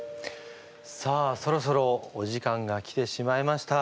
さあそろそろお時間が来てしまいました。